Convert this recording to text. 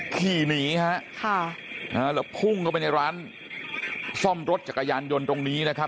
ขี่หนีฮะค่ะแล้วพุ่งเข้าไปในร้านซ่อมรถจักรยานยนต์ตรงนี้นะครับ